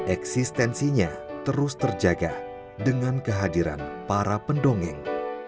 eksistensinya terus terjaga dengan kehadiran para pendongeng